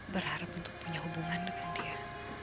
berharap untuk punya hubungan dengan dia